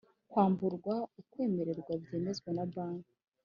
Kwamburwa ukwemererwa byemezwa na Banki